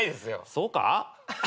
そうか？